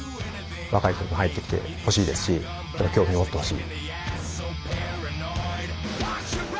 若い人にも入ってきてほしいですし興味を持ってほしい。